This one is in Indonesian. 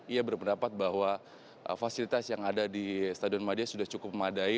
ia berpendapat bahwa fasilitas yang ada di stadion madia sudah cukup memadai